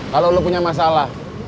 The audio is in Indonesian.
kalau lu punya masalah